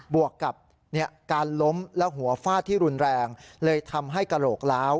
วกกับการล้มและหัวฟาดที่รุนแรงเลยทำให้กระโหลกล้าว